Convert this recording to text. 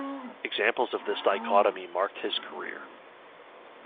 Examples of this dichotomy marked his career.